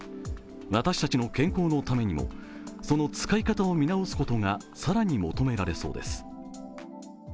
私たちの健康のためにもその使い方を見直すことが更に求められそうです。